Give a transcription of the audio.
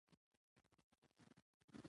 ژوند د انسان د فکر او احساس ګډ انځور دی.